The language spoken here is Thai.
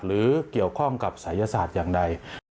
หรือเกี่ยวข้องกับศัยศาสตร์อย่างใด